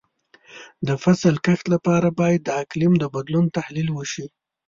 د فصل کښت لپاره باید د اقلیم د بدلون تحلیل وشي.